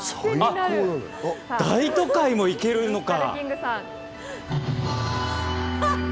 『大都会』もいけるのか！